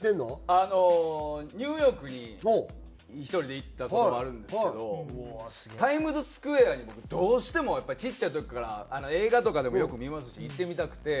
あのニューヨークに１人で行った事があるんですけどタイムズスクエアに僕どうしてもやっぱりちっちゃい時から映画とかでもよく見ますし行ってみたくて。